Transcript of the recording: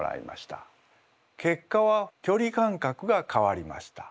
結果はきょり感覚が変わりました。